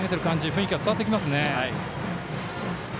雰囲気は伝わってきます。